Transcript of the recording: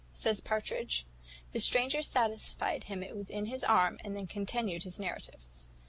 says Partridge. The stranger satisfied him it was in his arm, and then continued his narrative.